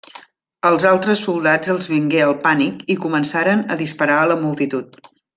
Als altres soldats els vingué el pànic i començaren a disparar a la multitud.